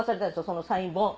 そのサイン本。